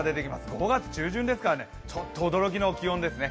５月中旬ですから、ちょっと驚きの気温ですね。